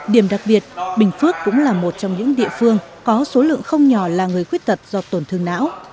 điểm đặc biệt bình phước cũng là một trong những địa phương có số lượng không nhỏ là người khuyết tật do tổn thương não